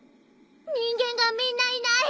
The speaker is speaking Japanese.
人間がみんないない！